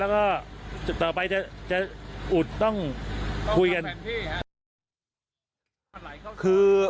แล้วก็สูงออก